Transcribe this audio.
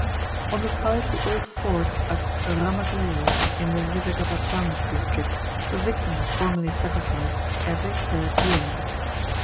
On the site of the old fort at Ramagiri in the Vizagapatam district, a victim was formerly sacrificed every third year.